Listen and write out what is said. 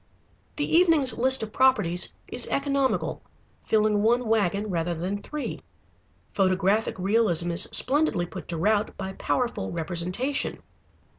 The evening's list of properties is economical, filling one wagon, rather than three. Photographic realism is splendidly put to rout by powerful representation.